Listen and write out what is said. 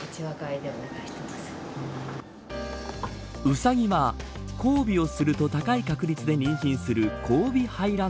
ウサギは交尾をすると高い確率で妊娠する交尾排卵